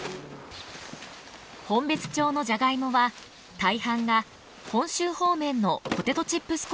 本別町のジャガイモは大半が本州方面のポテトチップス工場に運ばれます。